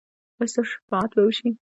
ایا ستاسو شفاعت به وشي؟